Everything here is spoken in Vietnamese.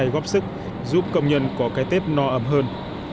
năm nay góp sức giúp công nhân có cái tết no ấm hơn